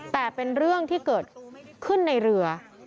แต่เป็นเรื่องที่เกิดขึ้นในเรือ